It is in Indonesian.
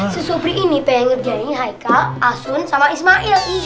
si sobri ini pengen ngerjain haikal asun sama ismail